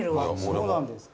そうなんですか？